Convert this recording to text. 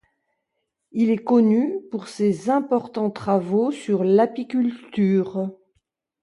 Il est connu pour ses importants travaux sur l'apiculture.